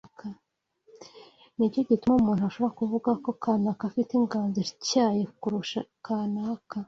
Ni cyo gituma umuntu ashobora kuvuga ko kanaka afite inganzo ityaye kurusha kanaka